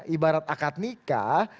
ibarat akad nikah